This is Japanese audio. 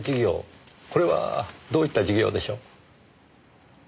これはどういった事業でしょう？